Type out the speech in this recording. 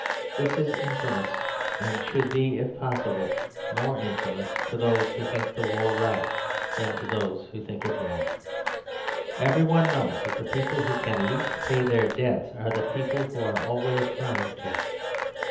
This is infamous: and should be, if possible, more infamous to those who think the war right than to those who think it wrong. Everyone knows that the people who can least pay their debts are the people who are always trying to.